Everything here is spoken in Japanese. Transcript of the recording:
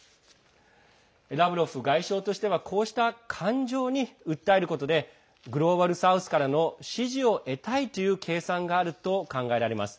ラブロフ外相としてはこうした感情に訴えることでグローバル・サウスからの支持を得たいという計算があると考えられます。